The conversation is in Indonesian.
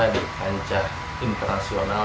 di pancah internasional